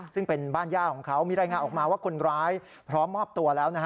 ซึ่งเป็นบ้านย่าของเขามีรายงานออกมาว่าคนร้ายพร้อมมอบตัวแล้ว